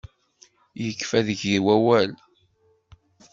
Yekfa deg-i wawal.